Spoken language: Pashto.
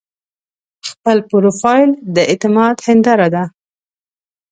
خپل پروفایل د اعتماد هنداره ده.